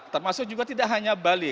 termasuk juga tidak hanya bali